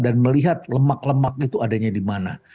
melihat lemak lemak itu adanya di mana